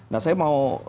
nah saya mau